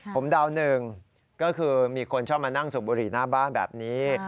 ผมเดาหนึ่งก็คือมีคนชอบมานั่งสูบบุหรี่หน้าบ้านแบบนี้